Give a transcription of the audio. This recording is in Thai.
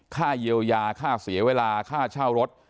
ค่าเยียวยาค่าเสียเวลาค่าเช่ารถ